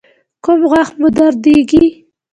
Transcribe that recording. کوم غاښ مو دردیږي؟